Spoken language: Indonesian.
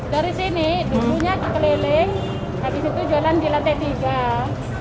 dari sini dulunya keliling habis itu jualan di lantai tiga